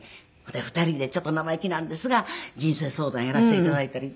２人でちょっと生意気なんですが人生相談やらせて頂いたり。